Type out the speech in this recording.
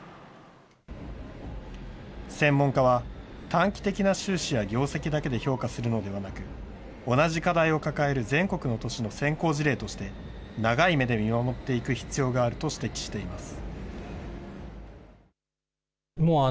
専門家は、短期的な収支や業績だけで評価するのではなく、同じ課題を抱える全国の都市の先行事例として、長い目で見守っていく必要があると指摘しています。